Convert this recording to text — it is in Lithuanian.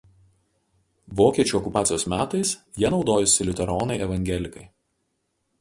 Vokiečių okupacijos metais ja naudojosi liuteronai evangelikai.